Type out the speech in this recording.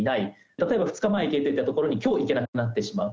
例えば２日前行けていた所にきょう行けなくなってしまう。